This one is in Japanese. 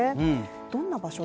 どんな場所で？